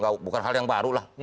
jadi bukan hal yang baru lah